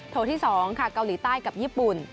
ที่๒ค่ะเกาหลีใต้กับญี่ปุ่น